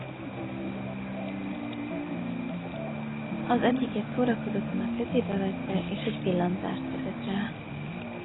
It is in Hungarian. Az egyiket szórakozottan a kezébe vette, és egy pillantást vetett rá.